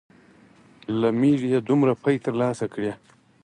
له مېږې دومره پۍ تر لاسه کړې.